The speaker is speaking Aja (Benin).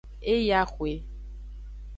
E yi axwe.